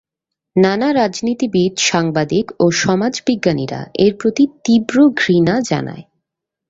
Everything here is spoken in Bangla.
নানা রাজনীতিবিদ, সাংবাদিক ও সমাজ বিজ্ঞানীরা এর প্রতি তীব্র ঘৃণা জানায়।